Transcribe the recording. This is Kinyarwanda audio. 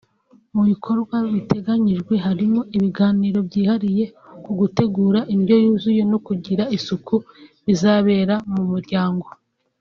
Mu bikorwa biteganyijwe harimo ibiganiro byihariye ku gutegura indyo yuzuye no kugira isuku bizabera mu miryango